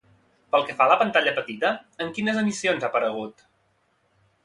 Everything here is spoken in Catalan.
Pel que fa a la pantalla petita, en quines emissions ha aparegut?